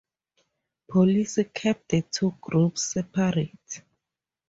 Police kept the two groups separate.